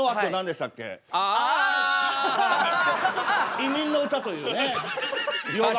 「移民の歌」というね洋楽。